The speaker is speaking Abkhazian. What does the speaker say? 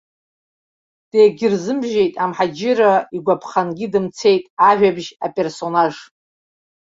Дегьырзымжьеит, амҳаџьырра игәаԥхангьы дымцеит ажәабжь аперсонаж.